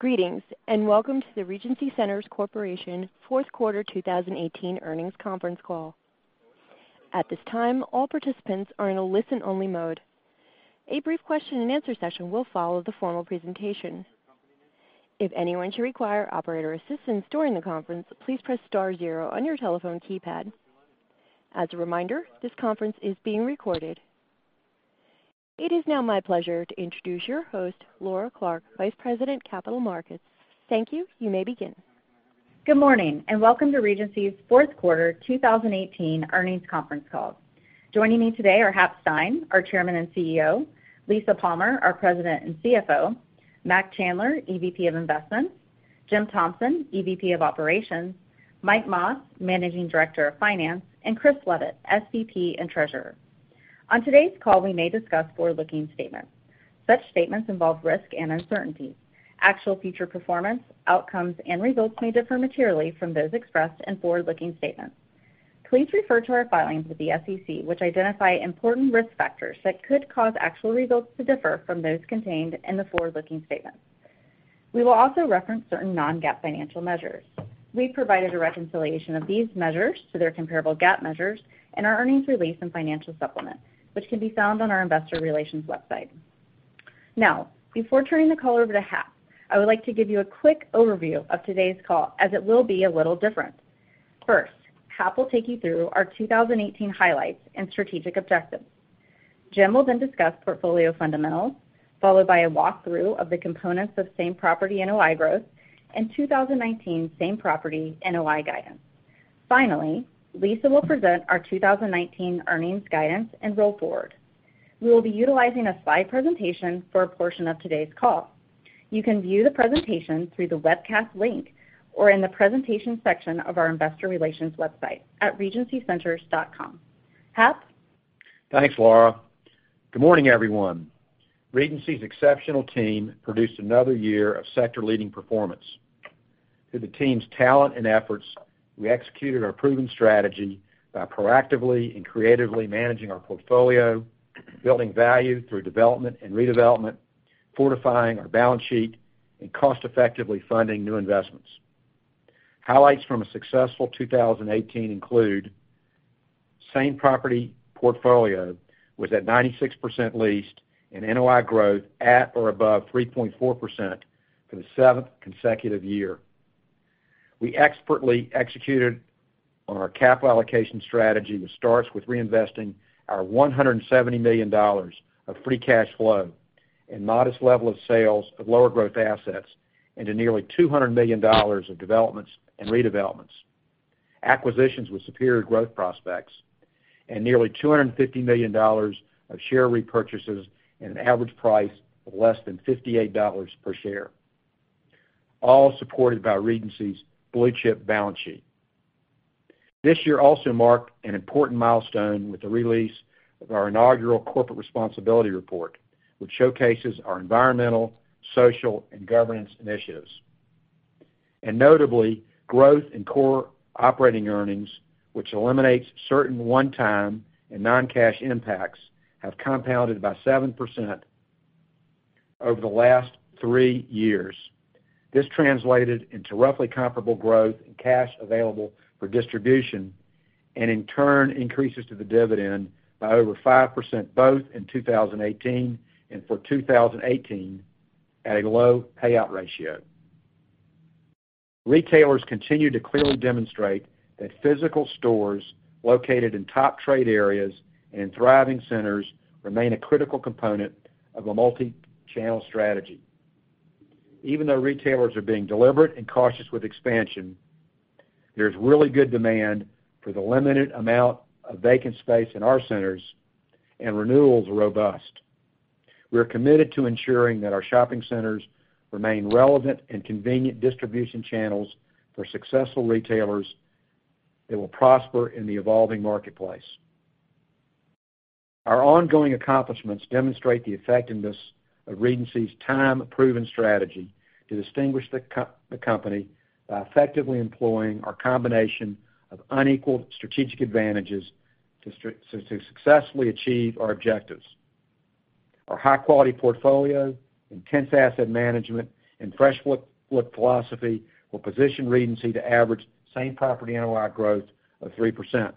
Greetings, and welcome to the Regency Centers Corporation fourth quarter 2018 earnings conference call. At this time, all participants are in a listen-only mode. A brief question and answer session will follow the formal presentation. If anyone should require operator assistance during the conference, please press star zero on your telephone keypad. As a reminder, this conference is being recorded. It is now my pleasure to introduce your host, Laura Clark, Vice President, Capital Markets. Thank you. You may begin. Good morning, and welcome to Regency's fourth quarter 2018 earnings conference call. Joining me today are Hap Stein, our Chairman and CEO, Lisa Palmer, our President and CFO, Mac Chandler, EVP of Investments, Jim Thompson, EVP of Operations, Mike Mas, Managing Director of Finance, and Christian Leavitt, SVP and Treasurer. On today's call, we may discuss forward-looking statements. Such statements involve risk and uncertainty. Actual future performance, outcomes, and results may differ materially from those expressed in forward-looking statements. Please refer to our filings with the SEC, which identify important risk factors that could cause actual results to differ from those contained in the forward-looking statements. We will also reference certain non-GAAP financial measures. We've provided a reconciliation of these measures to their comparable GAAP measures in our earnings release and financial supplement, which can be found on our investor relations website. Before turning the call over to Hap, I would like to give you a quick overview of today's call, as it will be a little different. Hap will take you through our 2018 highlights and strategic objectives. Jim will then discuss portfolio fundamentals, followed by a walkthrough of the components of same-property NOI growth and 2019 same-property NOI guidance. Lisa will present our 2019 earnings guidance and roll forward. We will be utilizing a slide presentation for a portion of today's call. You can view the presentation through the webcast link or in the Presentation section of our investor relations website at regencycenters.com. Hap? Thanks, Laura. Good morning, everyone. Regency's exceptional team produced another year of sector-leading performance. Through the team's talent and efforts, we executed our proven strategy by proactively and creatively managing our portfolio, building value through development and redevelopment, fortifying our balance sheet, and cost-effectively funding new investments. Highlights from a successful 2018 include same-property portfolio was at 96% leased and NOI growth at or above 3.4% for the seventh consecutive year. We expertly executed on our capital allocation strategy, which starts with reinvesting our $170 million of free cash flow and modest level of sales of lower growth assets into nearly $200 million of developments and redevelopments. Acquisitions with superior growth prospects and nearly $250 million of share repurchases at an average price of less than $58 per share, all supported by Regency's blue-chip balance sheet. This year also marked an important milestone with the release of our inaugural corporate responsibility report, which showcases our environmental, social, and governance initiatives. Notably, growth in core operating earnings, which eliminates certain one-time and non-cash impacts, have compounded by 7% over the last three years. This translated into roughly comparable growth in cash available for distribution, and in turn, increases to the dividend by over 5% both in 2018 and for 2018 at a low payout ratio. Retailers continue to clearly demonstrate that physical stores located in top trade areas and in thriving centers remain a critical component of a multi-channel strategy. Even though retailers are being deliberate and cautious with expansion, there's really good demand for the limited amount of vacant space in our centers, and renewals are robust. We are committed to ensuring that our shopping centers remain relevant and convenient distribution channels for successful retailers that will prosper in the evolving marketplace. Our ongoing accomplishments demonstrate the effectiveness of Regency's time-proven strategy to distinguish the company by effectively employing our combination of unequal strategic advantages to successfully achieve our objectives. Our high-quality portfolio, intense asset management, and fresh look philosophy will position Regency to average same-property NOI growth of 3%.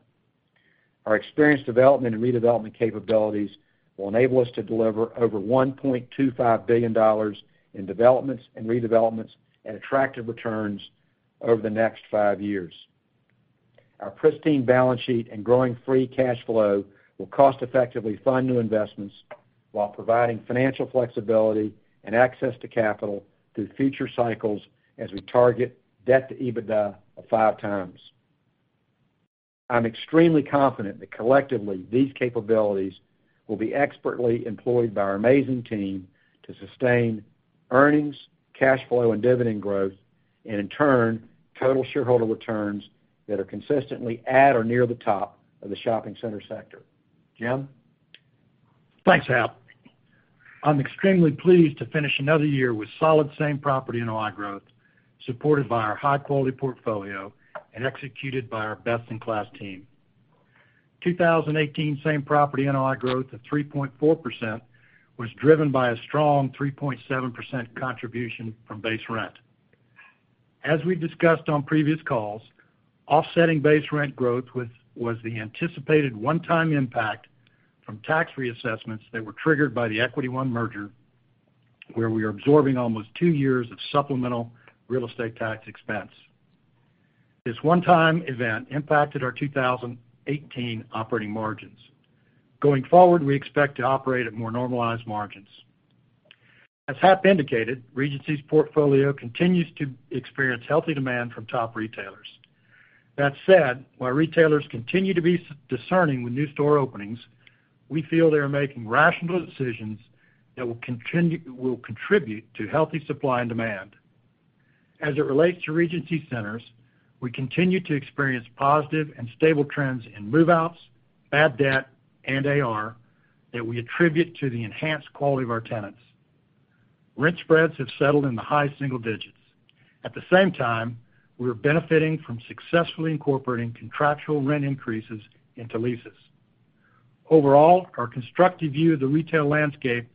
Our experienced development and redevelopment capabilities will enable us to deliver over $1.25 billion in developments and redevelopments at attractive returns over the next five years. Our pristine balance sheet and growing free cash flow will cost-effectively fund new investments while providing financial flexibility and access to capital through future cycles as we target debt-to-EBITDA of five times. I'm extremely confident that collectively, these capabilities will be expertly employed by our amazing team to sustain earnings, cash flow, and dividend growth and, in turn, total shareholder returns that are consistently at or near the top of the shopping center sector. Jim? Thanks, Hap. I'm extremely pleased to finish another year with solid same-property NOI growth supported by our high-quality portfolio and executed by our best-in-class team. 2018 same-property NOI growth of 3.4% was driven by a strong 3.7% contribution from base rent. As we discussed on previous calls, offsetting base rent growth was the anticipated one-time impact from tax reassessments that were triggered by the Equity One merger, where we are absorbing almost two years of supplemental real estate tax expense. This one-time event impacted our 2018 operating margins. Going forward, we expect to operate at more normalized margins. As Hap indicated, Regency's portfolio continues to experience healthy demand from top retailers. That said, while retailers continue to be discerning with new store openings, we feel they are making rational decisions that will contribute to healthy supply and demand. As it relates to Regency Centers, we continue to experience positive and stable trends in move-outs, bad debt, and AR that we attribute to the enhanced quality of our tenants. Rent spreads have settled in the high single digits. At the same time, we are benefiting from successfully incorporating contractual rent increases into leases. Overall, our constructive view of the retail landscape,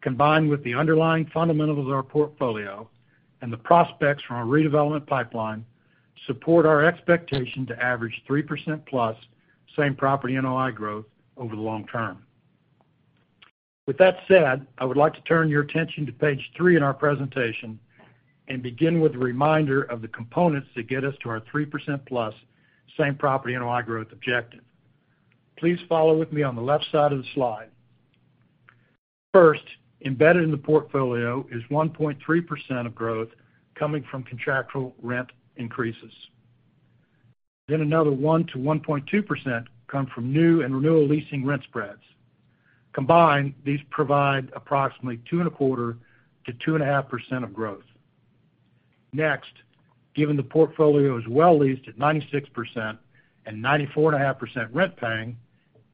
combined with the underlying fundamentals of our portfolio and the prospects from our redevelopment pipeline, support our expectation to average 3%+ same-property NOI growth over the long term. With that said, I would like to turn your attention to page three in our presentation and begin with a reminder of the components that get us to our 3%+ same-property NOI growth objective. Please follow with me on the left side of the slide. First, embedded in the portfolio is 1.3% of growth coming from contractual rent increases. Another 1% to 1.2% come from new and renewal leasing rent spreads. Combined, these provide approximately two and a quarter to two and a half percent of growth. Next, given the portfolio is well leased at 96% and 94.5% rent paying,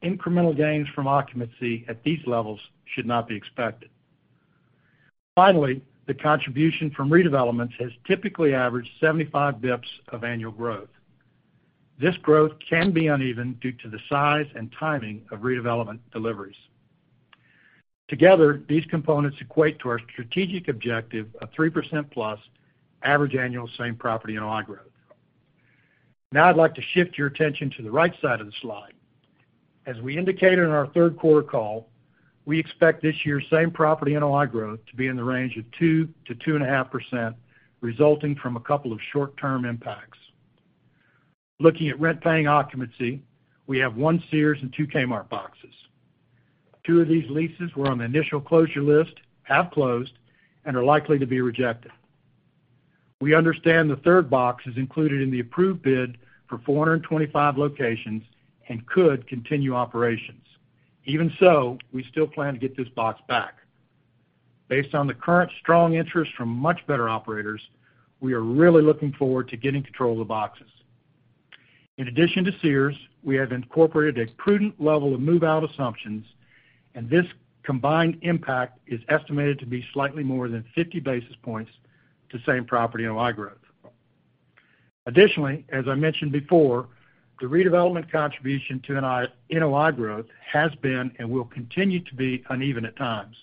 incremental gains from occupancy at these levels should not be expected. Finally, the contribution from redevelopments has typically averaged 75 basis points of annual growth. This growth can be uneven due to the size and timing of redevelopment deliveries. Together, these components equate to our strategic objective of 3%+ average annual same-property NOI growth. I'd like to shift your attention to the right side of the slide. As we indicated on our third quarter call, we expect this year's same-property NOI growth to be in the range of 2%-2.5%, resulting from a couple of short-term impacts. Looking at rent-paying occupancy, we have one Sears and two Kmart boxes. Two of these leases were on the initial closure list, have closed, and are likely to be rejected. We understand the third box is included in the approved bid for 425 locations and could continue operations. Even so, we still plan to get this box back. Based on the current strong interest from much better operators, we are really looking forward to getting control of the boxes. In addition to Sears, we have incorporated a prudent level of move-out assumptions, and this combined impact is estimated to be slightly more than 50 basis points to same-property NOI growth. As I mentioned before, the redevelopment contribution to NOI growth has been and will continue to be uneven at times.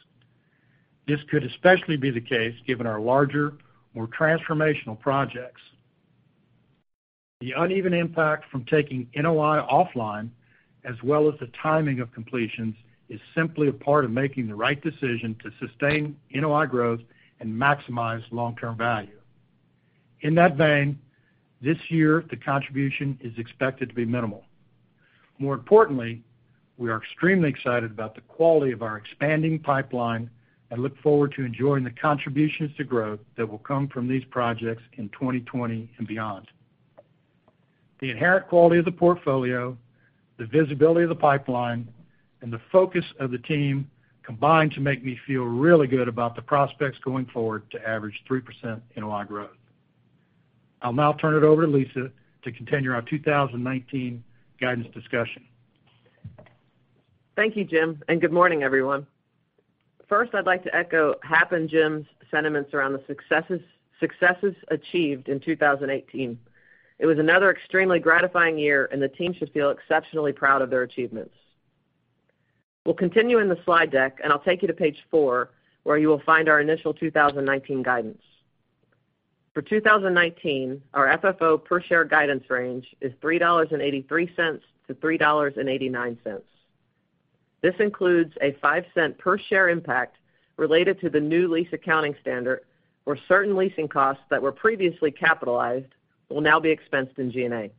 This could especially be the case given our larger, more transformational projects. The uneven impact from taking NOI offline, as well as the timing of completions, is simply a part of making the right decision to sustain NOI growth and maximize long-term value. In that vein, this year, the contribution is expected to be minimal. More importantly, we are extremely excited about the quality of our expanding pipeline and look forward to enjoying the contributions to growth that will come from these projects in 2020 and beyond. The inherent quality of the portfolio, the visibility of the pipeline, and the focus of the team combine to make me feel really good about the prospects going forward to average 3% NOI growth. I'll now turn it over to Lisa to continue our 2019 guidance discussion. Thank you, Jim. Good morning, everyone. First, I'd like to echo Hap and Jim's sentiments around the successes achieved in 2018. It was another extremely gratifying year, the team should feel exceptionally proud of their achievements. We'll continue in the slide deck, I'll take you to page four, where you will find our initial 2019 guidance. For 2019, our FFO per share guidance range is $3.83 to $3.89. This includes a $0.05 per share impact related to the new lease accounting standard, where certain leasing costs that were previously capitalized will now be expensed in G&A.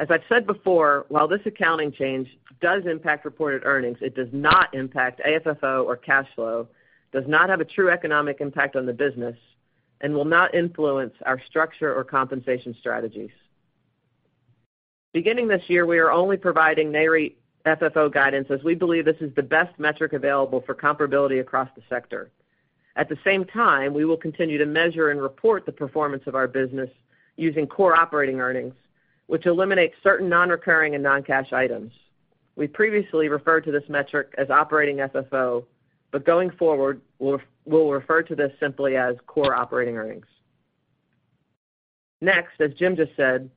As I've said before, while this accounting change does impact reported earnings, it does not impact AFFO or cash flow, does not have a true economic impact on the business, and will not influence our structure or compensation strategies. Beginning this year, we are only providing NAREIT FFO guidance as we believe this is the best metric available for comparability across the sector. At the same time, we will continue to measure and report the performance of our business using core operating earnings, which eliminates certain non-recurring and non-cash items. We previously referred to this metric as operating FFO, but going forward, we'll refer to this simply as core operating earnings. Next, as Jim just said,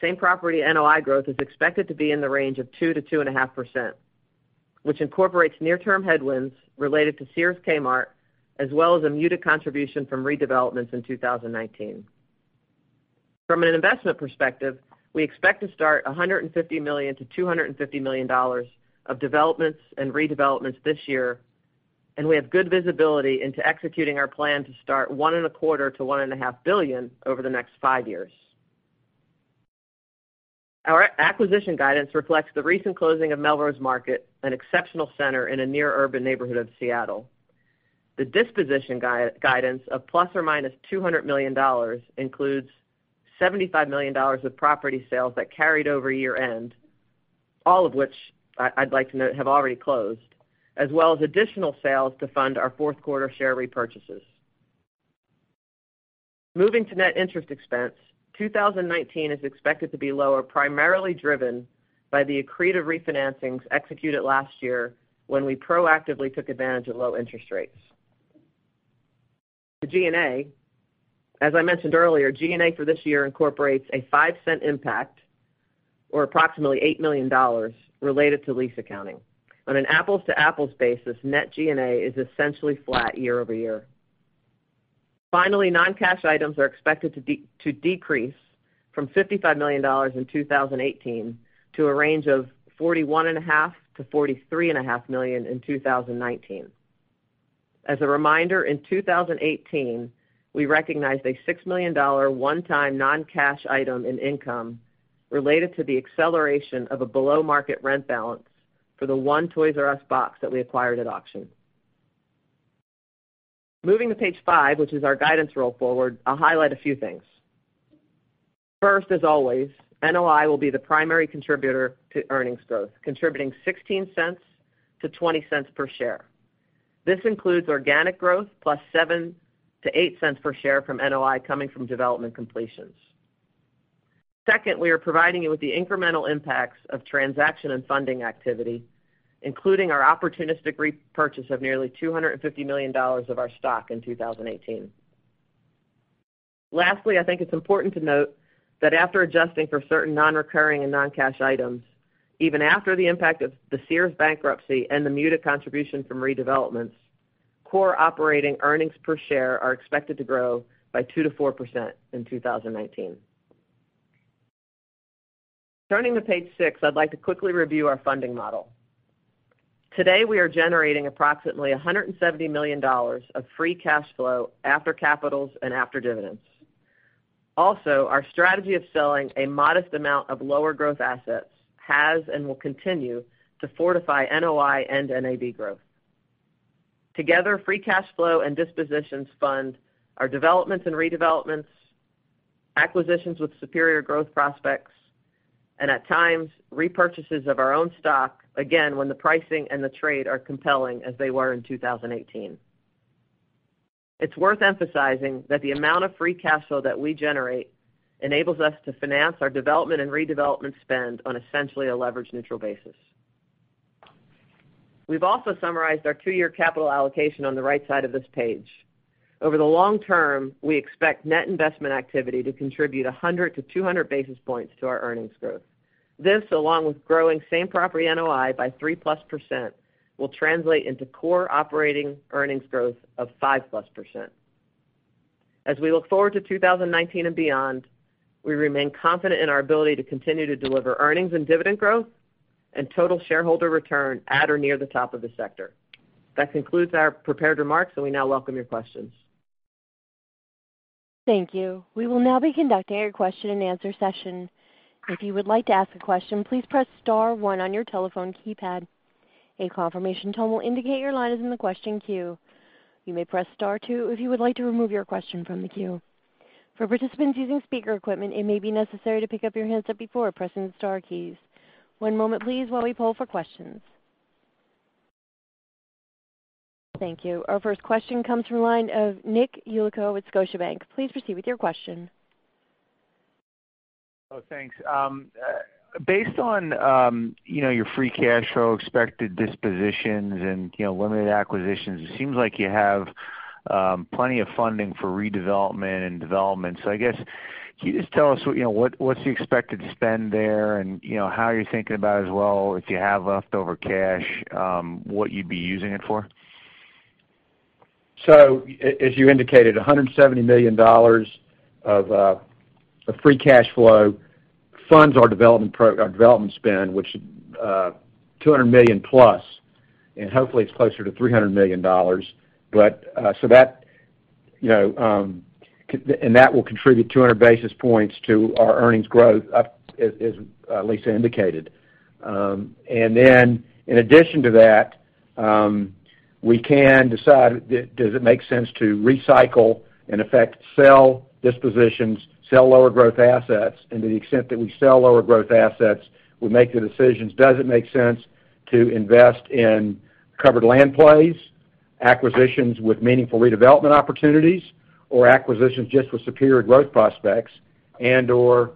same-property NOI growth is expected to be in the range of 2%-2.5%, which incorporates near-term headwinds related to Sears Kmart, as well as a muted contribution from redevelopments in 2019. From an investment perspective, we expect to start $150 million-$250 million of developments and redevelopments this year, we have good visibility into executing our plan to start $1.25 billion-$1.5 billion over the next five years. Our acquisition guidance reflects the recent closing of Melrose Market, an exceptional center in a near urban neighborhood of Seattle. The disposition guidance of ±$200 million includes $75 million of property sales that carried over year-end, all of which I'd like to note have already closed, as well as additional sales to fund our fourth quarter share repurchases. Moving to net interest expense, 2019 is expected to be lower, primarily driven by the accretive refinancings executed last year when we proactively took advantage of low interest rates. G&A, as I mentioned earlier, G&A for this year incorporates a $0.05 impact, or approximately $8 million, related to lease accounting. On an apples-to-apples basis, net G&A is essentially flat year-over-year. Non-cash items are expected to decrease from $55 million in 2018 to a range of $41.5 million-$43.5 million in 2019. As a reminder, in 2018, we recognized a $6 million one-time non-cash item in income related to the acceleration of a below-market rent balance for the one Toys 'R' Us box that we acquired at auction. Moving to page five, which is our guidance roll forward, I'll highlight a few things. First, as always, NOI will be the primary contributor to earnings growth, contributing $0.16 to $0.20 per share. This includes organic growth plus $0.07 to $0.08 per share from NOI coming from development completions. Second, we are providing you with the incremental impacts of transaction and funding activity, including our opportunistic repurchase of nearly $250 million of our stock in 2018. I think it's important to note that after adjusting for certain non-recurring and non-cash items, even after the impact of the Sears bankruptcy and the muted contribution from redevelopments, core operating earnings per share are expected to grow by 2% to 4% in 2019. Turning to page six, I'd like to quickly review our funding model. Today, we are generating approximately $170 million of free cash flow after CapEx and after dividends. Also, our strategy of selling a modest amount of lower growth assets has and will continue to fortify NOI and NAV growth. Together, free cash flow and dispositions fund our developments and redevelopments, acquisitions with superior growth prospects, and at times, repurchases of our own stock, again, when the pricing and the trade are compelling as they were in 2018. It's worth emphasizing that the amount of free cash flow that we generate enables us to finance our development and redevelopment spend on essentially a leverage-neutral basis. We've also summarized our two-year capital allocation on the right side of this page. Over the long term, we expect net investment activity to contribute 100 to 200 basis points to our earnings growth. This, along with growing same-property NOI by 3+%, will translate into core operating earnings growth of 5+%. As we look forward to 2019 and beyond, we remain confident in our ability to continue to deliver earnings and dividend growth and total shareholder return at or near the top of the sector. That concludes our prepared remarks, and we now welcome your questions. Thank you. We will now be conducting your question-and-answer session. If you would like to ask a question, please press *1 on your telephone keypad. A confirmation tone will indicate your line is in the question queue. You may press *2 if you would like to remove your question from the queue. For participants using speaker equipment, it may be necessary to pick up your handset before pressing the star keys. One moment please while we poll for questions. Thank you. Our first question comes from the line of Nicholas Yulico with Scotiabank. Please proceed with your question. Oh, thanks. Based on your free cash flow, expected dispositions, and limited acquisitions, it seems like you have plenty of funding for redevelopment and development. I guess, can you just tell us what's the expected spend there and how you're thinking about it as well, if you have leftover cash, what you'd be using it for? As you indicated, $170 million of free cash flow funds our development spend, which is $200 million plus, hopefully it's closer to $300 million. That will contribute 200 basis points to our earnings growth, as Lisa indicated. Then in addition to that, we can decide, does it make sense to recycle, in effect, sell dispositions, sell lower growth assets? To the extent that we sell lower growth assets, we make the decisions, does it make sense to invest in covered land plays, acquisitions with meaningful redevelopment opportunities, or acquisitions just with superior growth prospects and/or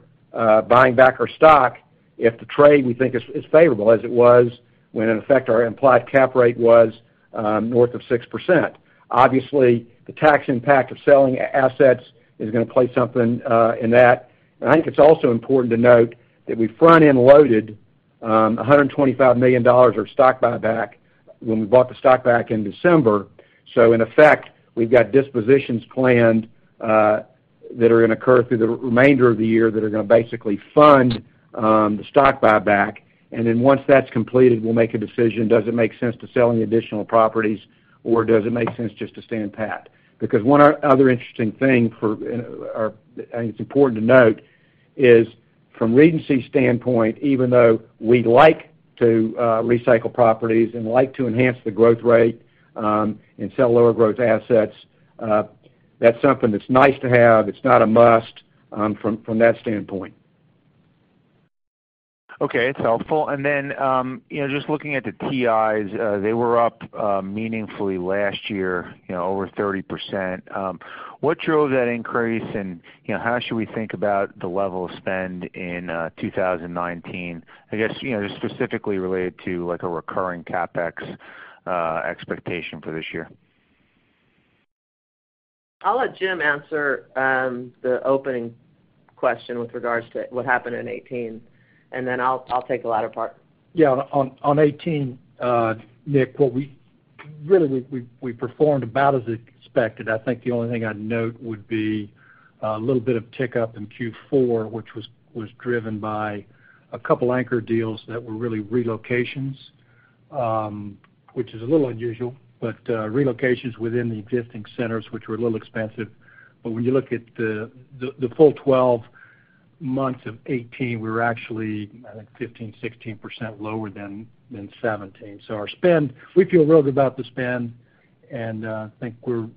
buying back our stock. If the trade we think is favorable as it was when in effect our implied cap rate was north of 6%. Obviously, the tax impact of selling assets is going to play something in that. I think it's also important to note that we front-end loaded $125 million of stock buyback when we bought the stock back in December. In effect, we've got dispositions planned that are going to occur through the remainder of the year that are going to basically fund the stock buyback. Then once that's completed, we'll make a decision, does it make sense to selling additional properties or does it make sense just to stand pat? One other interesting thing, I think it's important to note, is from Regency's standpoint, even though we like to recycle properties and like to enhance the growth rate and sell lower growth assets, that's something that's nice to have. It's not a must from that standpoint. Okay, it's helpful. Just looking at the TIs, they were up meaningfully last year over 30%. What drove that increase and how should we think about the level of spend in 2019? I guess, just specifically related to a recurring CapEx expectation for this year. I'll let Jim answer the opening question with regards to what happened in 2018. I'll take the latter part. Yeah. On 2018, Nick, really, we performed about as expected. I think the only thing I'd note would be a little bit of tick up in Q4, which was driven by a couple anchor deals that were really relocations, which is a little unusual, but relocations within the existing centers, which were a little expensive. When you look at the full 12 months of 2018, we were actually, I think 15%, 16% lower than 2017. Our spend, we feel real good about the spend, and think we're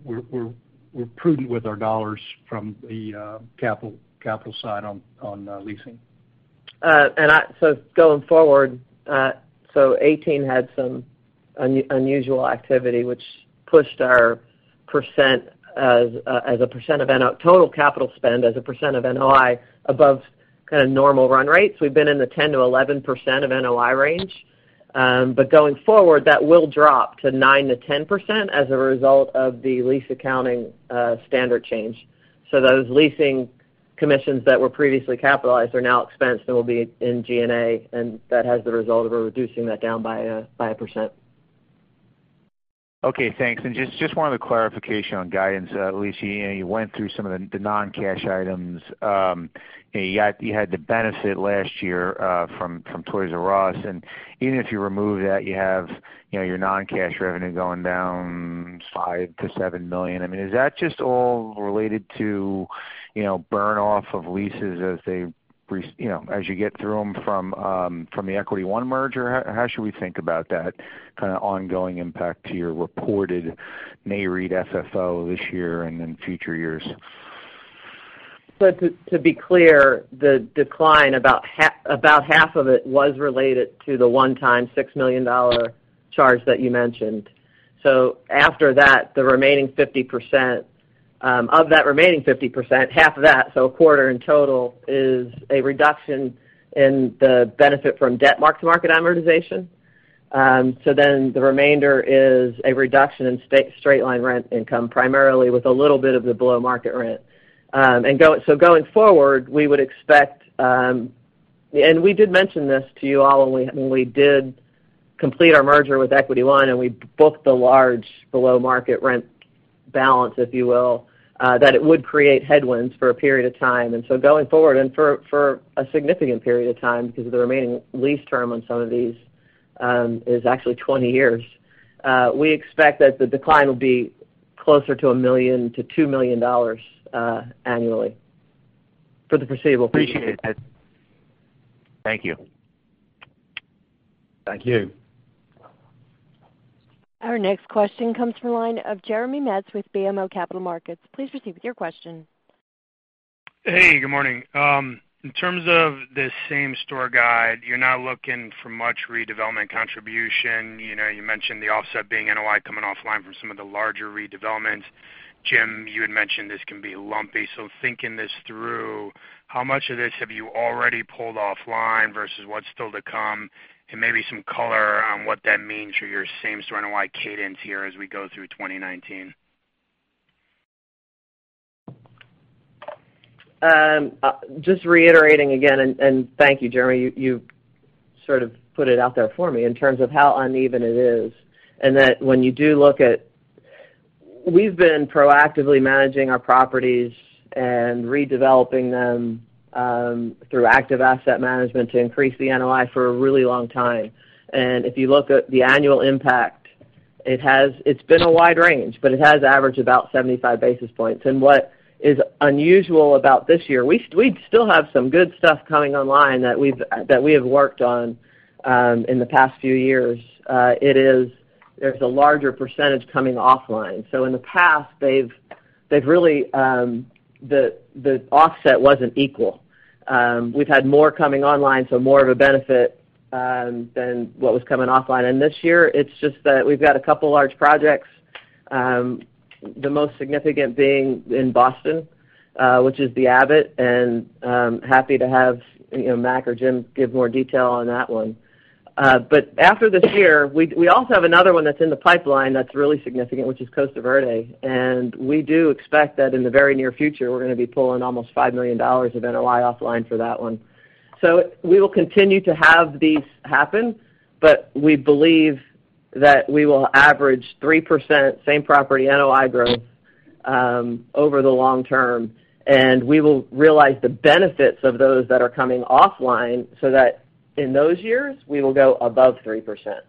prudent with our dollars from the capital side on leasing. Going forward, so 2018 had some unusual activity which pushed our percent as a percent of total capital spend as a percent of NOI above kind of normal run rates. We've been in the 10%-11% of NOI range. Going forward, that will drop to 9%-10% as a result of the lease accounting standard change. Those leasing commissions that were previously capitalized are now expensed and will be in G&A, and that has the result of reducing that down by 1%. Okay, thanks. Just wanted a clarification on guidance. Lisa, you went through some of the non-cash items. You had the benefit last year from Toys "R" Us, and even if you remove that, you have your non-cash revenue going down $5 million to $7 million. Is that just all related to burn off of leases as you get through them from the Equity One merger? How should we think about that kind of ongoing impact to your reported NAREIT FFO this year and in future years? To be clear, the decline, about half of it was related to the one-time $6 million charge that you mentioned. After that, of that remaining 50%, half of that, a quarter in total, is a reduction in the benefit from debt mark-to-market amortization. The remainder is a reduction in straight line rent income, primarily with a little bit of the below-market rent. Going forward, we would expect, and we did mention this to you all when we did complete our merger with Equity One and we booked the large below-market rent balance, if you will, that it would create headwinds for a period of time. Going forward, and for a significant period of time, because the remaining lease term on some of these is actually 20 years, we expect that the decline will be closer to $1 million to $2 million annually for the foreseeable future. Appreciate it. Thank you. Thank you. Our next question comes from the line of Jeremy Metz with BMO Capital Markets. Please proceed with your question. Hey, good morning. In terms of the same-store guide, you're not looking for much redevelopment contribution. You mentioned the offset being NOI coming offline from some of the larger redevelopments. Jim, you had mentioned this can be lumpy. Thinking this through, how much of this have you already pulled offline versus what's still to come? Maybe some color on what that means for your same-store NOI cadence here as we go through 2019. Just reiterating again, thank you, Jeremy, you sort of put it out there for me in terms of how uneven it is. We've been proactively managing our properties and redeveloping them through active asset management to increase the NOI for a really long time. If you look at the annual impact, it's been a wide range, but it has averaged about 75 basis points. What is unusual about this year, we still have some good stuff coming online that we have worked on in the past few years. There's a larger percentage coming offline. In the past, the offset wasn't equal. We've had more coming online, so more of a benefit than what was coming offline. This year, it is just that we have got a couple large projects. The most significant being in Boston, which is The Abbot, happy to have Mac or Jim give more detail on that one. After this year, we also have another one that is in the pipeline that is really significant, which is Costa Verde. We do expect that in the very near future, we are going to be pulling almost $5 million of NOI offline for that one. We will continue to have these happen, but we believe that we will average 3% same-property NOI growth over the long term, and we will realize the benefits of those that are coming offline so that in those years, we will go above 3%.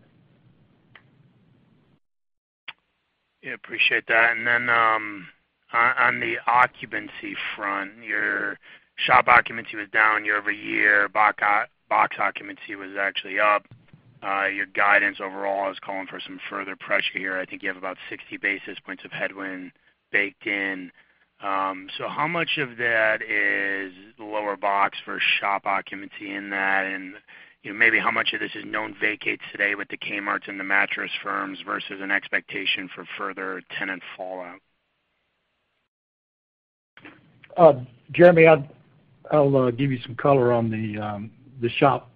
Yeah, appreciate that. On the occupancy front, your shop occupancy was down year-over-year. Box occupancy was actually up. Your guidance overall is calling for some further pressure here. I think you have about 60 basis points of headwind baked in. How much of that is lower box versus shop occupancy in that? Maybe how much of this is known vacates today with the Kmarts and the Mattress Firms versus an expectation for further tenant fallout? Jeremy, I will give you some color on the shop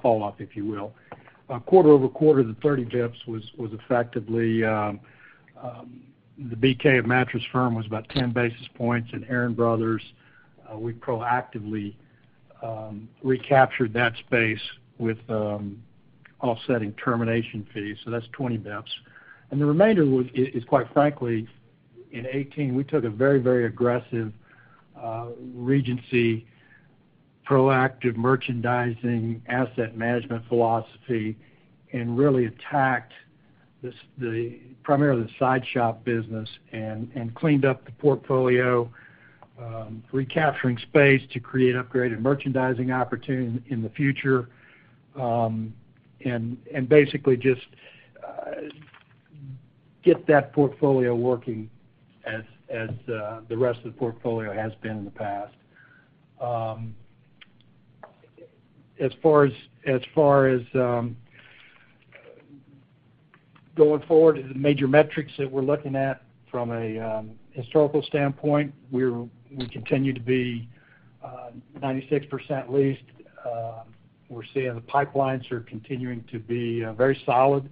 fall off, if you will. Quarter-over-quarter, the 30 basis points was effectively, the BK of Mattress Firm was about 10 basis points, Aaron Brothers, we proactively recaptured that space with offsetting termination fees, so that is 20 basis points. The remainder is, quite frankly, in 2018, we took a very aggressive Regency proactive merchandising asset management philosophy and really attacked primarily the side shop business and cleaned up the portfolio, recapturing space to create upgraded merchandising opportunities in the future, and basically just get that portfolio working as the rest of the portfolio has been in the past. As far as going forward, the major metrics that we are looking at from a historical standpoint, we continue to be 96% leased. We are seeing the pipelines are continuing to be very solid.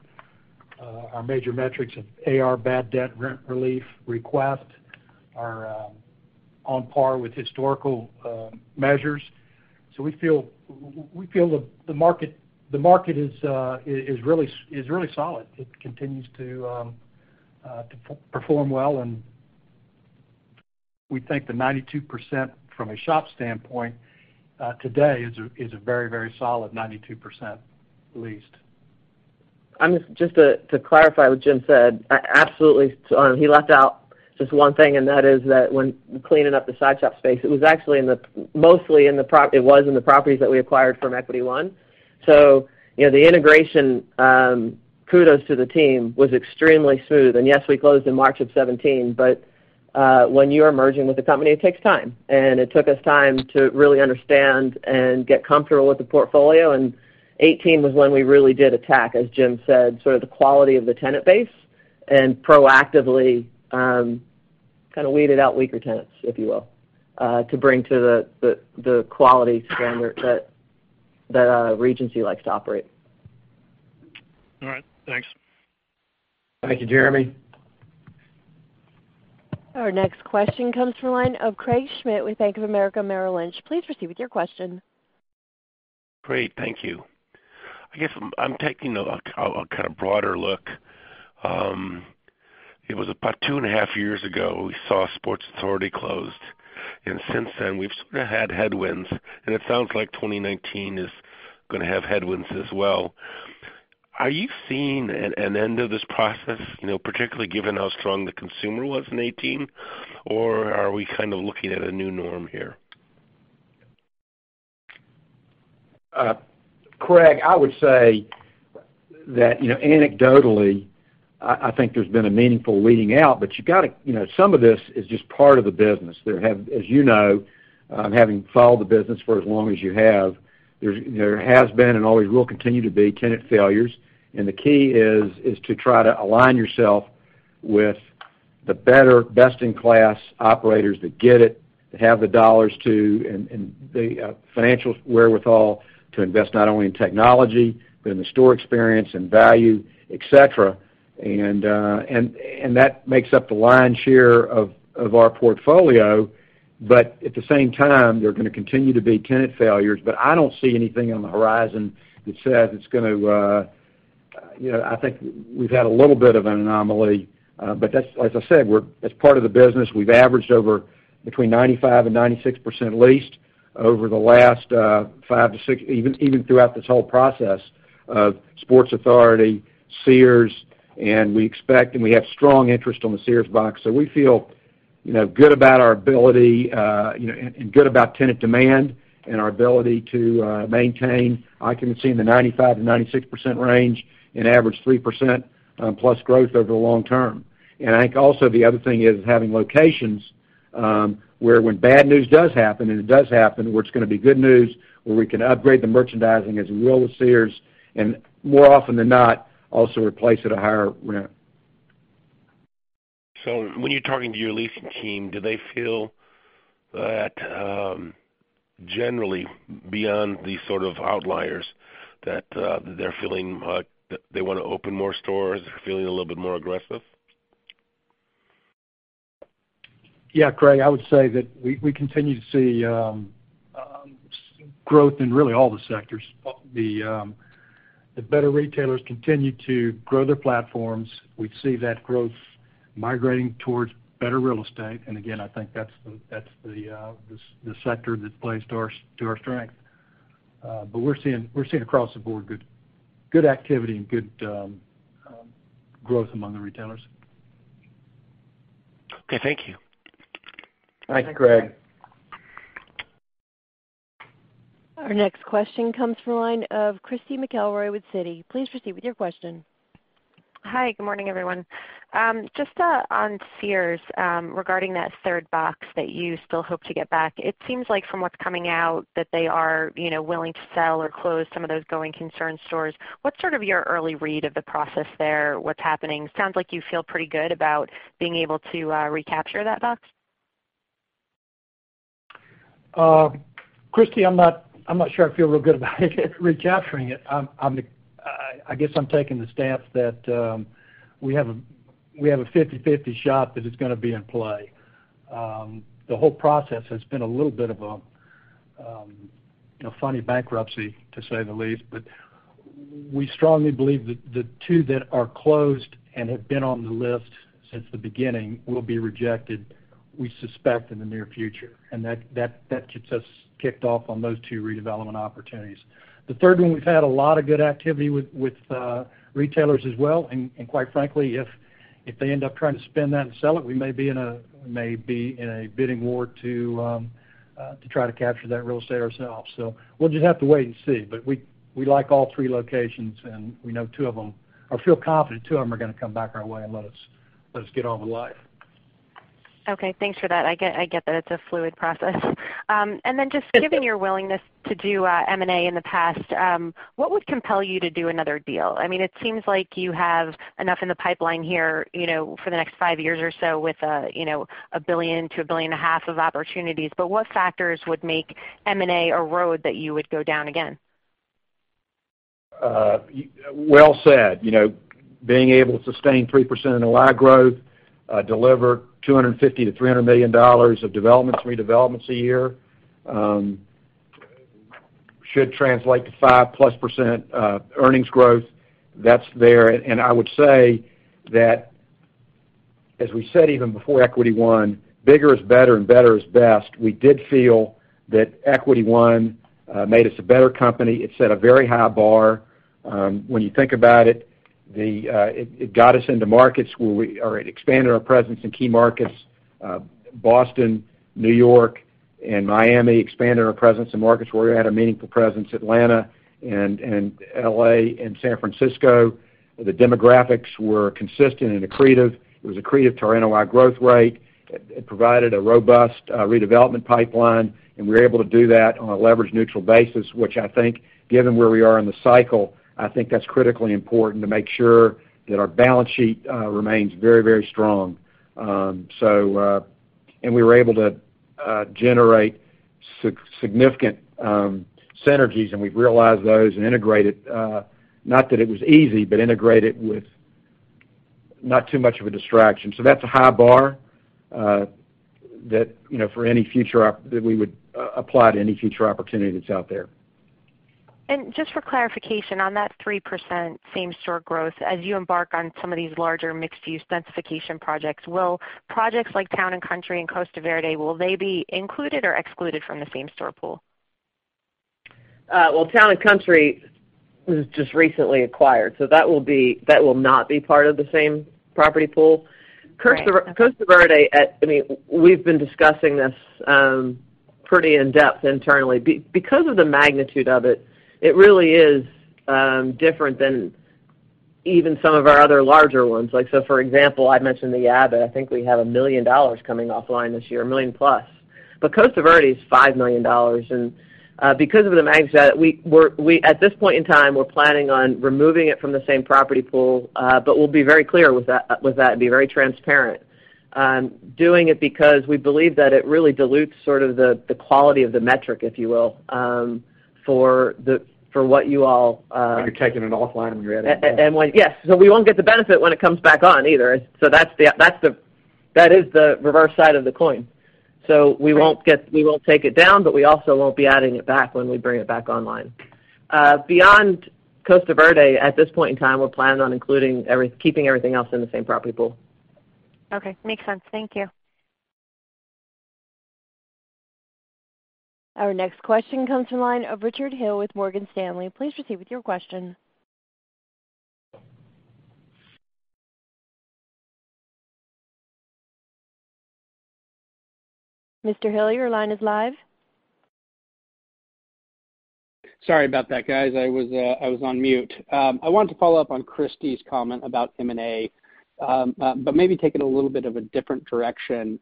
Our major metrics of AR bad debt rent relief requests are on par with historical measures. We feel the market is really solid. It continues to perform well, and we think the 92% from a shop standpoint today is a very solid 92% leased. Just to clarify what Jim said, absolutely. He left out just one thing, and that is that when cleaning up the side shop space, it was in the properties that we acquired from Equity One. The integration, kudos to the team, was extremely smooth. Yes, we closed in March of 2017, but when you are merging with a company, it takes time. It took us time to really understand and get comfortable with the portfolio, and 2018 was when we really did attack, as Jim said, sort of the quality of the tenant base and proactively kind of weeded out weaker tenants, if you will, to bring to the quality standard that Regency likes to operate. All right, thanks. Thank you, Jeremy. Our next question comes from the line of Craig Schmidt with Bank of America Merrill Lynch. Please proceed with your question. Great. Thank you. I guess I'm taking a kind of broader look. It was about two and a half years ago, we saw Sports Authority closed. Since then, we've sort of had headwinds. It sounds like 2019 is going to have headwinds as well. Are you seeing an end of this process, particularly given how strong the consumer was in 2018? Are we kind of looking at a new norm here? Craig, I would say that anecdotally, I think there's been a meaningful weeding out. Some of this is just part of the business. As you know, having followed the business for as long as you have, there has been and always will continue to be tenant failures. The key is to try to align yourself with the better best-in-class operators that get it, that have the dollars to, and the financial wherewithal to invest not only in technology, but in the store experience and value, et cetera. That makes up the lion's share of our portfolio. At the same time, there are going to continue to be tenant failures. I don't see anything on the horizon that says I think we've had a little bit of an anomaly. As I said, that's part of the business. We've averaged over between 95% and 96% leased over the last five to six, even throughout this whole process of Sports Authority, Sears. We expect, and we have strong interest on the Sears box. We feel good about our ability and good about tenant demand and our ability to maintain occupancy in the 95% to 96% range and average 3% plus growth over the long term. I think also the other thing is having locations where when bad news does happen, it does happen, where it's going to be good news, where we can upgrade the merchandising as we will with Sears. More often than not, also replace at a higher rent. When you're talking to your leasing team, do they feel that, generally, beyond these sort of outliers, that they want to open more stores, they're feeling a little bit more aggressive? Yeah, Craig, I would say that we continue to see growth in really all the sectors. The better retailers continue to grow their platforms. We see that growth migrating towards better real estate, again, I think that's the sector that plays to our strength. We're seeing across the board good activity and good growth among the retailers. Okay, thank you. Thanks, Craig. Thanks, Craig. Our next question comes from the line of Christy McElroy with Citi. Please proceed with your question. Hi, good morning, everyone. Just on Sears, regarding that third box that you still hope to get back. It seems like from what's coming out that they are willing to sell or close some of those going concern stores. What's sort of your early read of the process there? What's happening? Sounds like you feel pretty good about being able to recapture that box. Christy, I'm not sure I feel real good about recapturing it. I guess I'm taking the stance that we have a 50/50 shot that it's going to be in play. The whole process has been a little bit of a funny bankruptcy, to say the least. We strongly believe that the two that are closed and have been on the list since the beginning will be rejected, we suspect, in the near future. That gets us kicked off on those two redevelopment opportunities. The third one, we've had a lot of good activity with retailers as well, and quite frankly, if they end up trying to spin that and sell it, we may be in a bidding war to try to capture that real estate ourselves. We'll just have to wait and see, but we like all three locations, and we know two of them, or feel confident two of them are going to come back our way and let us get on with life. Okay, thanks for that. I get that it's a fluid process. Given your willingness to do M&A in the past, what would compel you to do another deal? It seems like you have enough in the pipeline here for the next five years or so with $1 billion to $1.5 billion of opportunities. What factors would make M&A a road that you would go down again? Well said. Being able to sustain 3% annual NOI growth, deliver $250 million to $300 million of developments, redevelopments a year, should translate to 5%+ earnings growth. That's there. I would say that as we said even before Equity One, bigger is better and better is best. We did feel that Equity One made us a better company. It set a very high bar. When you think about it got us into markets where we expanded our presence in key markets, Boston, New York, and Miami. Expanded our presence in markets where we had a meaningful presence, Atlanta and L.A. and San Francisco. The demographics were consistent and accretive. It was accretive to our NOI growth rate. It provided a robust redevelopment pipeline. We were able to do that on a leverage neutral basis, which I think given where we are in the cycle, I think that's critically important to make sure that our balance sheet remains very strong. We were able to generate significant synergies, and we've realized those and integrate it, not that it was easy, but integrate it with not too much of a distraction. That's a high bar that we would apply to any future opportunity that's out there. Just for clarification, on that 3% same-store growth, as you embark on some of these larger mixed-use densification projects, will projects like Town and Country and Costa Verde, will they be included or excluded from the same-store pool? Town and Country was just recently acquired, that will not be part of the same property pool. Great. Okay. Costa Verde, we've been discussing this pretty in-depth internally. Because of the magnitude of it really is different than even some of our other larger ones. For example, I mentioned The Abbot, I think we have $1 million coming offline this year, $1 million plus. Costa Verde is $5 million, because of the magnitude of that, at this point in time, we're planning on removing it from the same property pool. We'll be very clear with that and be very transparent. Doing it because we believe that it really dilutes sort of the quality of the metric, if you will, for what you all When you're taking it offline, when you add it back. Yes. We won't get the benefit when it comes back on either. That is the reverse side of the coin. We won't take it down, but we also won't be adding it back when we bring it back online. Beyond Costa Verde, at this point in time, we're planning on keeping everything else in the same property pool. Okay. Makes sense. Thank you. Our next question comes from the line of Richard Hill with Morgan Stanley. Please proceed with your question. Mr. Hill, your line is live. Sorry about that, guys. I was on mute. I wanted to follow up on Christy's comment about M&A, but maybe take it a little bit of a different direction.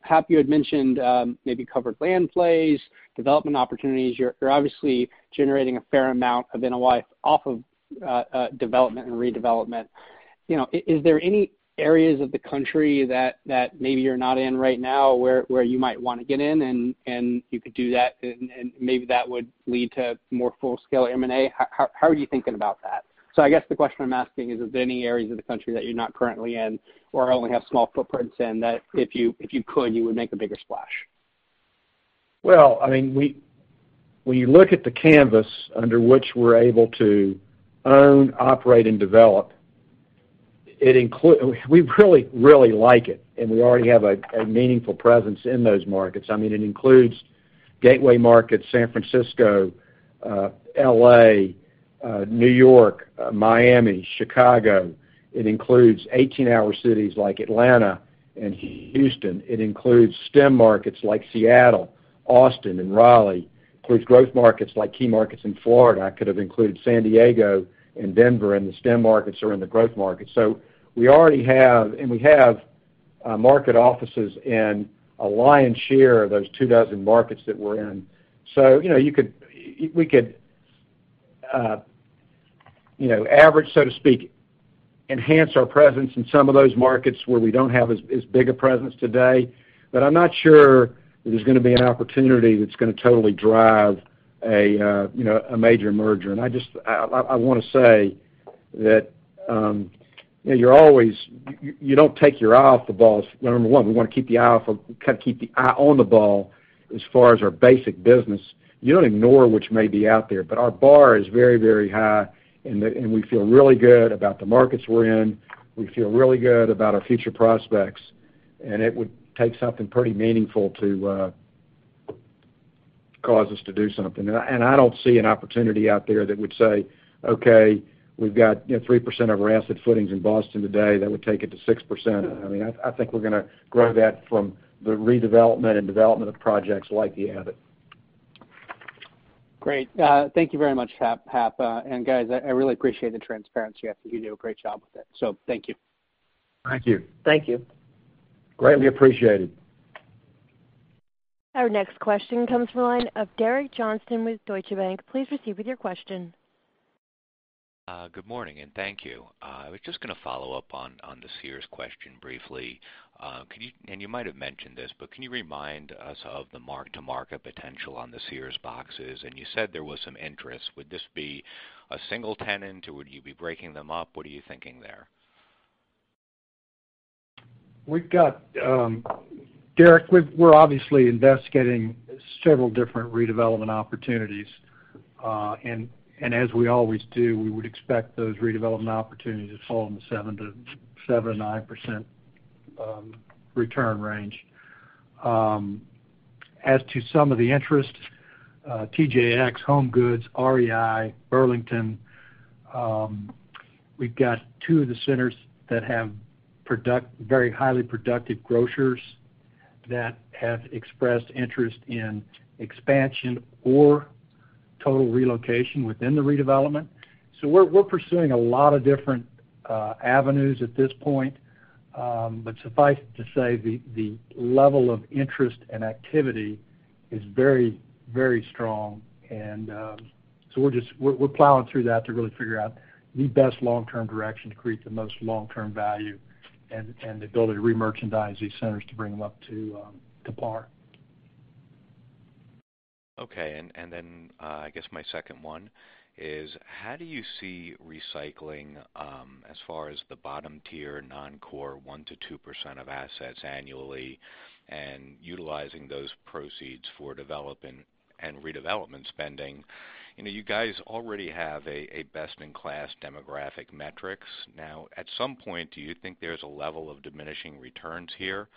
Hap, you had mentioned maybe covered land plays, development opportunities. You're obviously generating a fair amount of NOI off of development and redevelopment. Is there any areas of the country that maybe you're not in right now where you might want to get in, and you could do that and maybe that would lead to more full-scale M&A? How are you thinking about that? I guess the question I'm asking is if there are any areas of the country that you're not currently in or only have small footprints in that if you could, you would make a bigger splash? When you look at the canvas under which we're able to own, operate, and develop, we really like it, and we already have a meaningful presence in those markets. It includes gateway markets, San Francisco, L.A., New York, Miami, Chicago. It includes 18-hour cities like Atlanta and Houston. It includes STEM markets like Seattle, Austin, and Raleigh. Includes growth markets like key markets in Florida. I could have included San Diego and Denver, and the STEM markets are in the growth markets. We already have, and we have market offices in a lion's share of those 2 dozen markets that we're in. We could average, so to speak, enhance our presence in some of those markets where we don't have as big a presence today. I'm not sure that there's going to be an opportunity that's going to totally drive a major merger. I want to say that you don't take your eye off the ball. Number 1, we want to keep the eye on the ball as far as our basic business. You don't ignore which may be out there, but our bar is very, very high, and we feel really good about the markets we're in. We feel really good about our future prospects, and it would take something pretty meaningful to cause us to do something. I don't see an opportunity out there that would say, okay, we've got 3% of our asset footings in Boston today. That would take it to 6%. I think we're going to grow that from the redevelopment and development of projects like The Abbot. Great. Thank you very much, Hap. Guys, I really appreciate the transparency. You do a great job with it, so thank you. Thank you. Thank you. Greatly appreciated. Our next question comes from the line of Derek Johnston with Deutsche Bank. Please proceed with your question. Good morning, thank you. I was just going to follow up on the Sears question briefly. You might have mentioned this, but can you remind us of the mark-to-market potential on the Sears boxes? You said there was some interest. Would this be a single tenant, or would you be breaking them up? What are you thinking there? Derek, we're obviously investigating several different redevelopment opportunities. As we always do, we would expect those redevelopment opportunities to fall in the 7%-9% return range. As to some of the interest, TJX, HomeGoods, REI, Burlington, we've got two of the centers that have very highly productive grocers that have expressed interest in expansion or total relocation within the redevelopment. We're pursuing a lot of different avenues at this point. Suffice it to say, the level of interest and activity is very strong, we're plowing through that to really figure out the best long-term direction to create the most long-term value and the ability to remerchandise these centers to bring them up to par. Okay, I guess my second one is how do you see recycling as far as the bottom tier non-core 1%-2% of assets annually and utilizing those proceeds for development and redevelopment spending? You guys already have a best-in-class demographic metrics. At some point, do you think there's a level of diminishing returns here,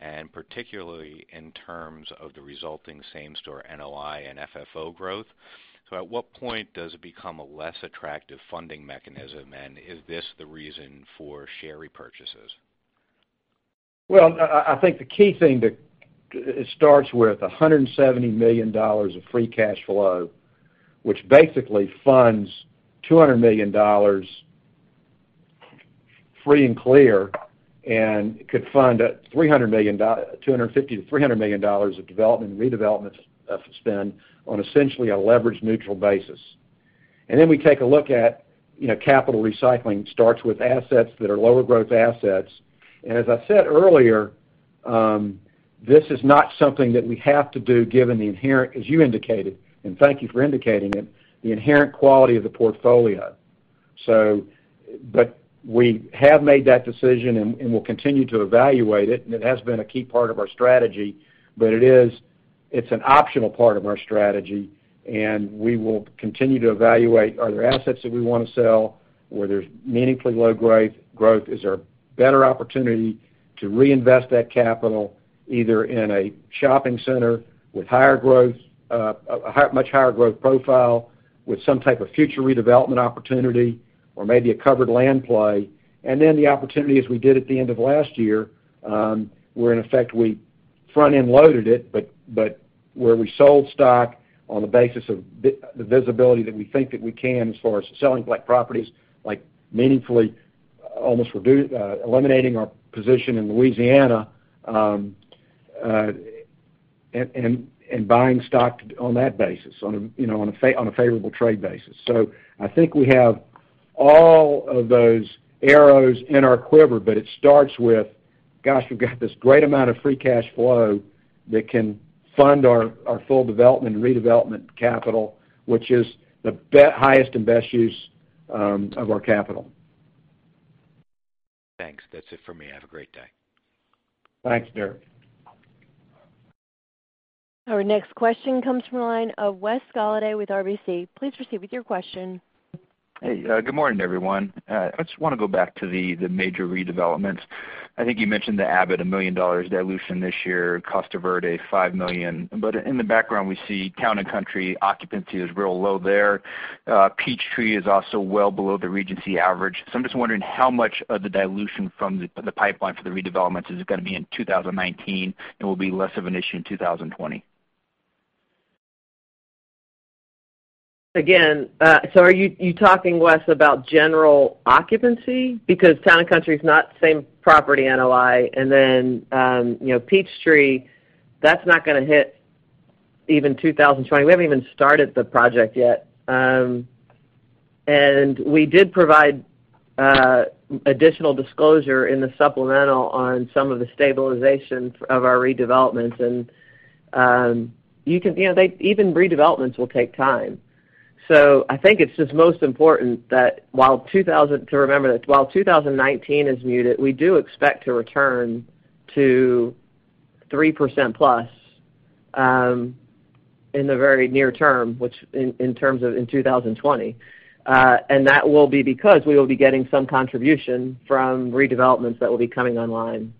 and particularly in terms of the resulting same-property NOI and FFO growth? At what point does it become a less attractive funding mechanism? Is this the reason for share repurchases? Well, I think the key thing that it starts with $170 million of free cash flow, which basically funds $200 million free and clear, and could fund $250 million-$300 million of development and redevelopment spend on essentially a leverage neutral basis. We take a look at capital recycling starts with assets that are lower growth assets. As I said earlier, this is not something that we have to do given the inherent, as you indicated, and thank you for indicating it, the inherent quality of the portfolio. We have made that decision, and we'll continue to evaluate it, and it has been a key part of our strategy. It's an optional part of our strategy, and we will continue to evaluate, are there assets that we want to sell where there's meaningfully low growth? Is there a better opportunity to reinvest that capital, either in a shopping center with much higher growth profile, with some type of future redevelopment opportunity, or maybe a covered land play? The opportunity, as we did at the end of last year, where in effect we front-end loaded it, but where we sold stock on the basis of the visibility that we think that we can as far as selling properties, like meaningfully almost eliminating our position in Louisiana, and buying stock on that basis, on a favorable trade basis. I think we have all of those arrows in our quiver, but it starts with, gosh, we've got this great amount of free cash flow that can fund our full development and redevelopment capital, which is the highest and best use of our capital. Thanks. That's it for me. Have a great day. Thanks, Derek. Our next question comes from the line of Wes Golladay with RBC. Please proceed with your question. Hey, good morning, everyone. I just want to go back to the major redevelopments. I think you mentioned The Abbot, $1 million dilution this year, Costa Verde, $5 million. In the background we see Town and Country occupancy is real low there. Peachtree is also well below the Regency average. I'm just wondering how much of the dilution from the pipeline for the redevelopments is going to be in 2019 and will be less of an issue in 2020. Are you talking, Wes, about general occupancy? Town and Country's not the same-property NOI, and Peachtree, that's not going to hit even 2020. We haven't even started the project yet. We did provide additional disclosure in the supplemental on some of the stabilization of our redevelopments. Even redevelopments will take time. I think it's just most important to remember that while 2019 is muted, we do expect to return to 3%+ in the very near term, which in terms of in 2020. That will be because we will be getting some contribution from redevelopments that will be coming online.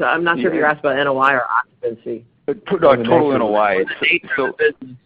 I'm not sure if you're asking about NOI or occupancy. Put it on total NOI. It seems-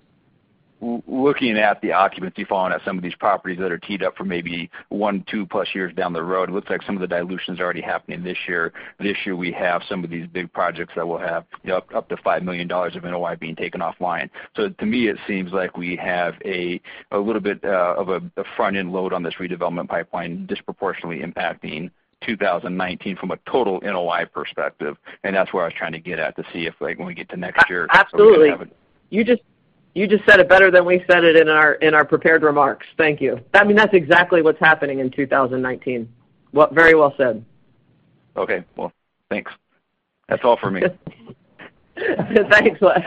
Looking at the occupancy falling at some of these properties that are teed up for maybe one, two plus years down the road, it looks like some of the dilution's already happening this year. This year, we have some of these big projects that will have up to $5 million of NOI being taken offline. To me, it seems like we have a little bit of a front-end load on this redevelopment pipeline disproportionately impacting 2019 from a total NOI perspective, and that's where I was trying to get at to see if like when we get to next year- Absolutely. You just said it better than we said it in our prepared remarks. Thank you. I mean, that's exactly what's happening in 2019. Very well said. Okay. Well, thanks. That's all for me. Thanks, Wes.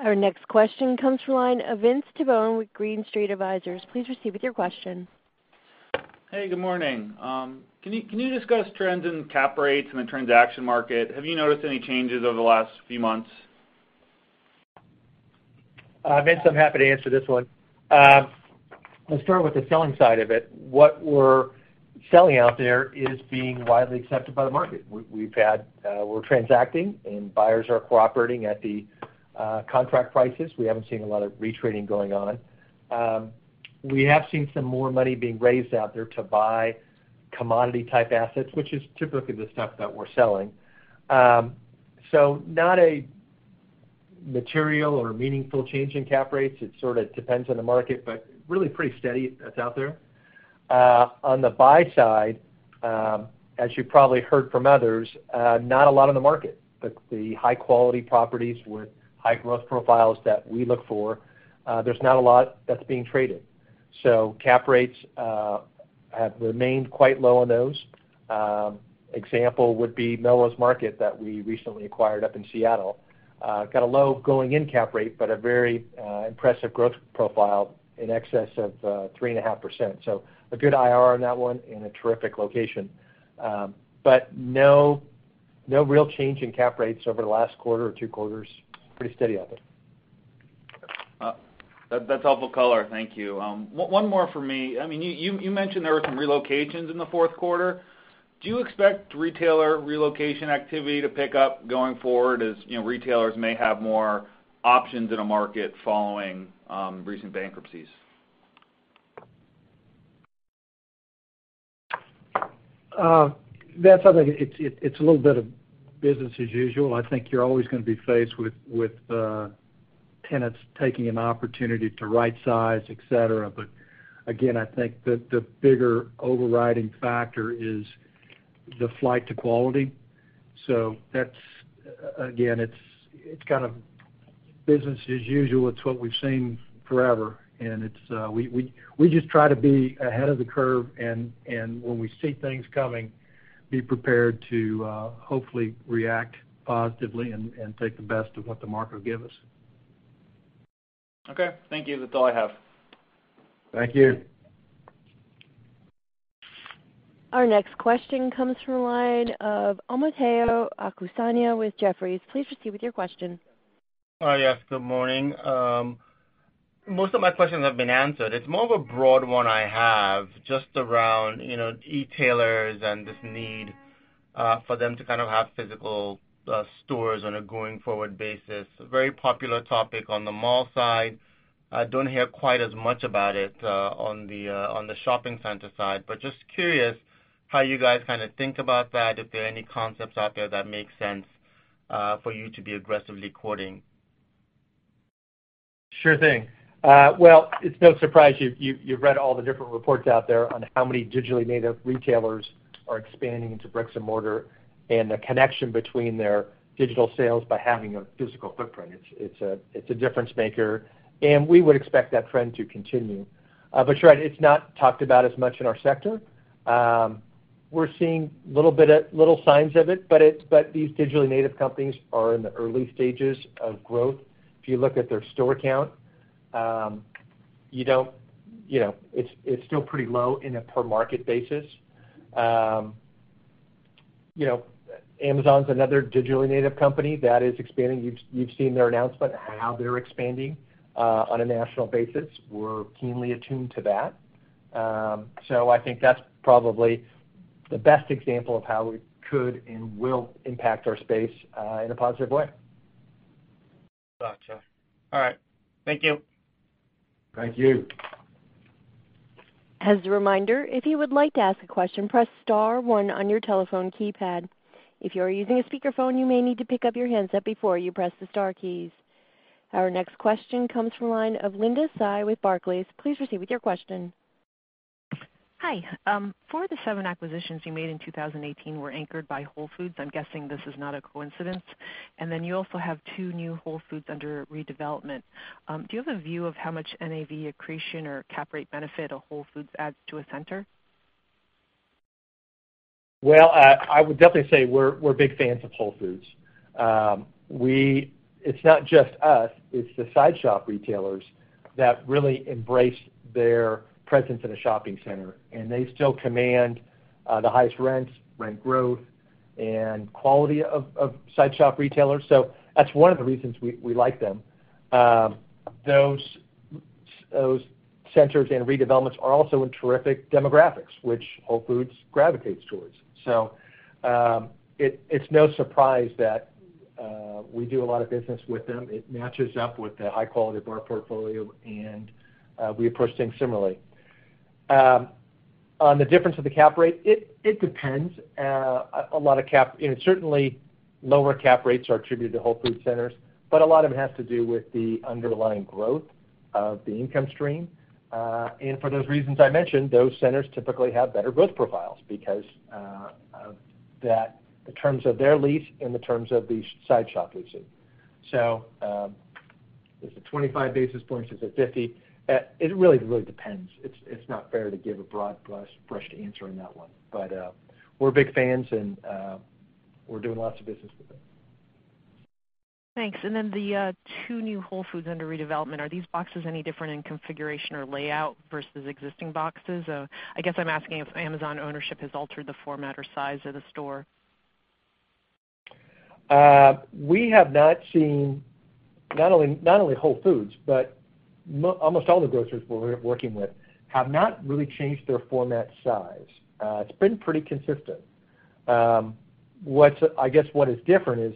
Our next question comes from the line of Vince Tibone with Green Street Advisors. Please proceed with your question. Hey, good morning. Can you discuss trends in cap rates in the transaction market? Have you noticed any changes over the last few months? Vince, I'm happy to answer this one. I'll start with the selling side of it. What we're selling out there is being widely accepted by the market. We're transacting, and buyers are cooperating at the contract prices. We haven't seen a lot of retrading going on. We have seen some more money being raised out there to buy commodity-type assets, which is typically the stuff that we're selling. Not a material or meaningful change in cap rates. It sort of depends on the market, but really pretty steady that's out there. On the buy side, as you probably heard from others, not a lot on the market. The high-quality properties with high growth profiles that we look for, there's not a lot that's being traded. Cap rates have remained quite low on those. Example would be Melrose Market that we recently acquired up in Seattle. Got a low going-in cap rate, but a very impressive growth profile in excess of 3.5%. A good IRR on that one and a terrific location. No real change in cap rates over the last quarter or two quarters. Pretty steady out there. That's helpful color. Thank you. One more for me. You mentioned there were some relocations in the fourth quarter. Do you expect retailer relocation activity to pick up going forward as retailers may have more options in a market following recent bankruptcies? Vince, I think it's a little bit of business as usual. I think you're always going to be faced with tenants taking an opportunity to rightsize, et cetera. Again, I think the bigger overriding factor is the flight to quality. Again, it's kind of business as usual. It's what we've seen forever, and we just try to be ahead of the curve, and when we see things coming, be prepared to hopefully react positively and take the best of what the market will give us. Okay. Thank you. That's all I have. Thank you. Our next question comes from the line of Omotayo Okusanya with Jefferies. Please proceed with your question. Hi. Yes, good morning. Most of my questions have been answered. It's more of a broad one I have just around e-tailers and this need for them to kind of have physical stores on a going-forward basis. A very popular topic on the mall side. I don't hear quite as much about it on the shopping center side, but just curious how you guys kind of think about that, if there are any concepts out there that make sense for you to be aggressively courting. Sure thing. Well, it's no surprise you've read all the different reports out there on how many digitally native retailers are expanding into bricks and mortar, and the connection between their digital sales by having a physical footprint. It's a difference maker, and we would expect that trend to continue. You're right, it's not talked about as much in our sector. We're seeing little signs of it, but these digitally native companies are in the early stages of growth. If you look at their store count, it's still pretty low in a per market basis. Amazon's another digitally native company that is expanding. You've seen their announcement, how they're expanding, on a national basis. We're keenly attuned to that. I think that's probably the best example of how we could and will impact our space, in a positive way. Gotcha. All right. Thank you. Thank you. As a reminder, if you would like to ask a question, press star one on your telephone keypad. If you are using a speakerphone, you may need to pick up your handset before you press the star keys. Our next question comes from the line of Linda Tsai with Barclays. Please proceed with your question. Hi. Four of the seven acquisitions you made in 2018 were anchored by Whole Foods. I'm guessing this is not a coincidence. You also have two new Whole Foods under redevelopment. Do you have a view of how much NAV accretion or cap rate benefit a Whole Foods adds to a center? Well, I would definitely say we're big fans of Whole Foods. It's not just us, it's the side shop retailers that really embrace their presence in a shopping center. They still command the highest rents, rent growth, and quality of side shop retailers. That's one of the reasons we like them. Those centers and redevelopments are also in terrific demographics, which Whole Foods gravitates towards. It's no surprise that we do a lot of business with them. It matches up with the high quality of our portfolio, and, we approach things similarly. On the difference of the cap rate, it depends. Certainly, lower cap rates are attributed to Whole Foods centers, but a lot of it has to do with the underlying growth of the income stream. For those reasons I mentioned, those centers typically have better growth profiles because of the terms of their lease and the terms of the side shop leasing. Is it 25 basis points? Is it 50? It really depends. It's not fair to give a broad brush answer on that one. We're big fans, and we're doing lots of business with them. Thanks. The two new Whole Foods under redevelopment, are these boxes any different in configuration or layout versus existing boxes? I guess I'm asking if Amazon ownership has altered the format or size of the store. We have not seen, not only Whole Foods, but almost all the grocers we're working with have not really changed their format size. It's been pretty consistent. I guess what is different is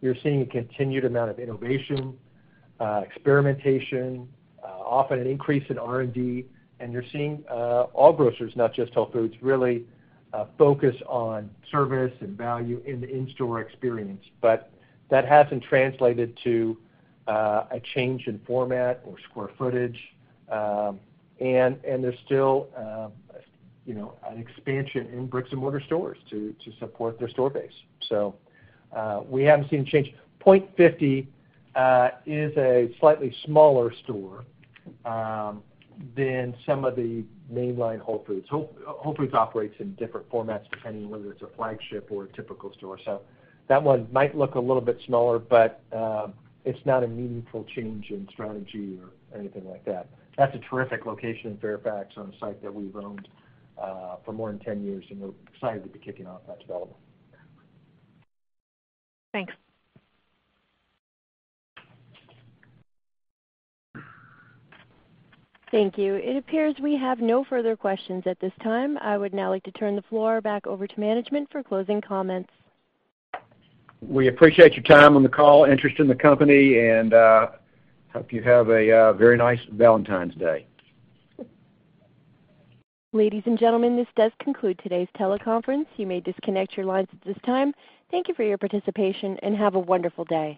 you're seeing a continued amount of innovation, experimentation, often an increase in R&D. You're seeing all grocers, not just Whole Foods, really focus on service and value in the in-store experience. That hasn't translated to a change in format or square footage. There's still an expansion in bricks-and-mortar stores to support their store base. We haven't seen a change. Point 50 is a slightly smaller store than some of the mainline Whole Foods. Whole Foods operates in different formats depending on whether it's a flagship or a typical store. That one might look a little bit smaller, but it's not a meaningful change in strategy or anything like that. That's a terrific location in Fairfax on a site that we've owned for more than 10 years, we're excited to be kicking off that development. Thanks. Thank you. It appears we have no further questions at this time. I would now like to turn the floor back over to management for closing comments. We appreciate your time on the call, interest in the company, and hope you have a very nice Valentine's Day. Ladies and gentlemen, this does conclude today's teleconference. You may disconnect your lines at this time. Thank you for your participation, and have a wonderful day.